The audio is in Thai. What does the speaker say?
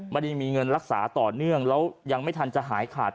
ไม่ได้มีเงินรักษาต่อเนื่องแล้วยังไม่ทันจะหายขาด